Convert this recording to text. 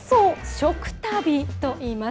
食旅といいます。